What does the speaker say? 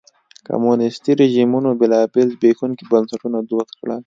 کمونیستي رژیمونو بېلابېل زبېښونکي بنسټونه دود کړل.